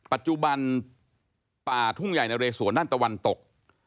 ปัจจุบันป่าทุ่งใหญ่นะเรสวนด้านตะวันตก